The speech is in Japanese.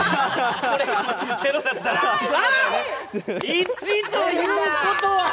１ということは？